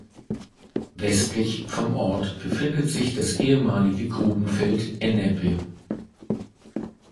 Westlich vom Ort befindet sich das ehemalige Grubenfeld "Ennepe".